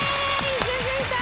続いた。